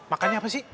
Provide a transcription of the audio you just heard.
makannya apa sih